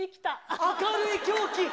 明るい凶器。